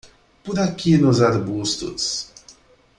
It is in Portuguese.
Por aqui nos arbustos.